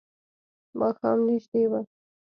ماښام نژدې و.